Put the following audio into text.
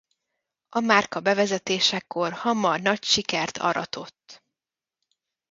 A márka a bevezetéskor hamar nagy sikert aratott.